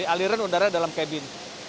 aliran udara dalam kabin